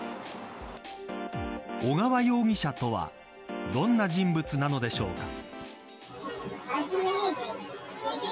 小川容疑者とはどんな人物なのでしょうか。